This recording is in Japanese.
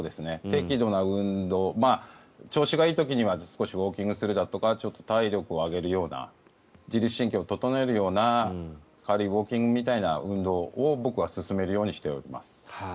適度な運動、調子がいい時には少しウォーキングするだとかちょっと体力を上げるような自律神経を整えるような軽いウォーキングみたいな運動を僕は勧めるようにしています。